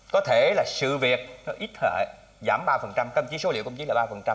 có thể là sự việc nó ít thể giảm ba công chí số liệu công chí là ba